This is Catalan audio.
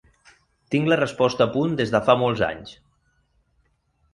Tinc la resposta a punt des de fa molts anys.